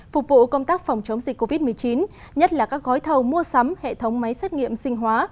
phục vụ công tác phòng chống dịch covid một mươi chín nhất là các gói thầu mua sắm hệ thống máy xét nghiệm sinh hóa